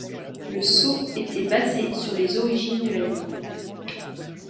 Le sceau était basé sur les origines de la ville.